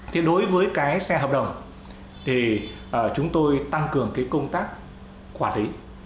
thế đối với cái xe hợp đồng thì chúng tôi tăng cường cái công tác quản lý